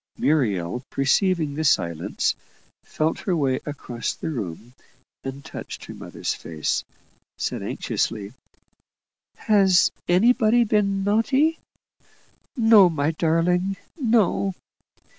Muriel, perceiving the silence, felt her way across the room, and touching her mother's face, said, anxiously, "Has anybody been naughty?" "No, my darling; no!"